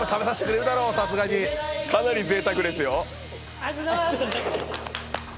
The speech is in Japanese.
ありがとうございます。